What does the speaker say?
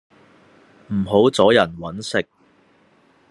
唔好阻人搵食